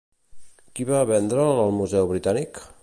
Qui va vendre'l al Museu Britànic?